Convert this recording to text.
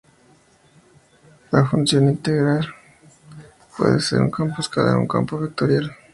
La función a integrar puede ser un campo escalar o un campo vectorial.